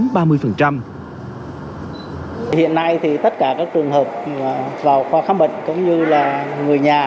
hiện nay thì tất cả các trường hợp vào khoa khám bệnh cũng như là người nhà